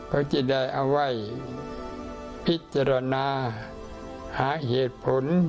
เขาจะได้เอาไว้พิจารณาหาเหตุผล